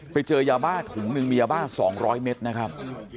ไปเจอยาบ้าถุงหนึ่งมียาบ้า๒๐๐เมตรนะครับ